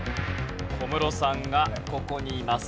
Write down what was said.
小室さんがここにいます。